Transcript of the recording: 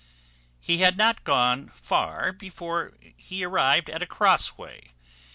He had not gone far before he arrived at a crossway.